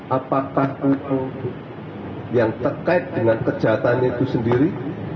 apakah uang yang terkait dengan kejahatan itu sendiri